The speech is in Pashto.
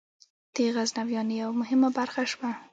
د غزنویانو یوه مهمه برخه شوه.